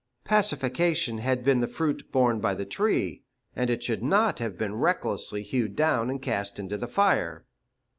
Pacification had been the fruit borne by the tree, and it should not have been recklessly hewed down and cast into the fire.